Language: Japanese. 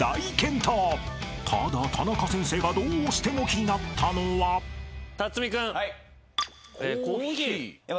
［ただタナカ先生がどうしても気になったのは］えっ？